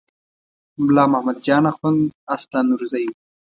ملا محمد جان اخوند اصلاً نورزی و.